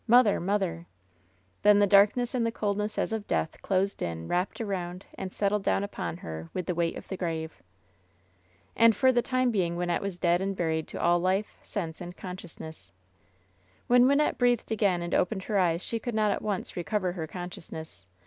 Mother ! Mother !" Then the darkness and the coldness as of death closed in, wrapped around, and settled down upon her with the weight of the grave. And for the time being Wynnette was dead and buried to all life, sense and consciousness. When Wynnette breathed again and opened her eyes she could not at once recover her consciousness.